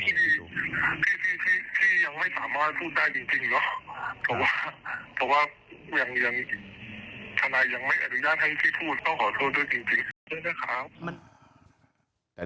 พี่ยังไม่สามารถพูดได้จริงหรอเพราะว่าทนายยังไม่อริญญาตให้พี่พูดต้องขอโทษด้วยจริงนะครับ